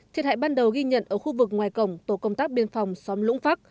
thiệt hại ban đầu ghi nhận ở khu vực ngoài cổng tổ công tác biên phòng xóm lũng phấc